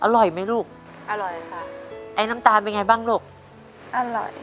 อร่อยไหมลูกอร่อยค่ะไอ้น้ำตาลเป็นไงบ้างลูกอร่อย